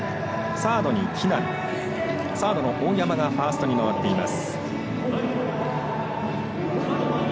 サードの大山がファーストに回っています。